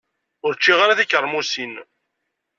Ur ččiɣ ara tikermusin.